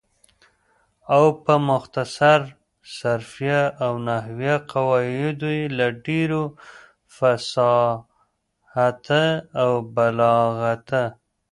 او په مختصر صرفیه او نحویه قواعدو یې له ډېره فصاحته او بلاغته